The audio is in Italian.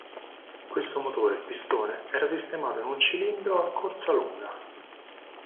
In questo motore il pistone era sistemato in un cilindro a corsa lunga.